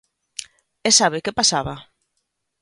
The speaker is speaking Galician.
¿E sabe que pasaba?